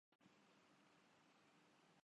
Bahamas